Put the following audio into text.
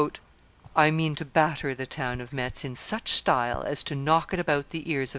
"I mean to batter the town of Metz in such style as to knock it about the ears of M.